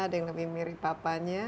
ada yang lebih mirip papanya